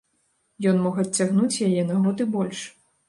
Ён мог адцягнуць яе на год і больш.